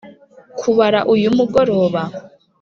kubara uyu mugoroba